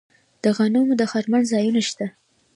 د غنمو د خرمن ځایونه شته.